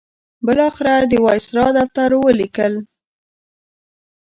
بالاخره د وایسرا دفتر ولیکل.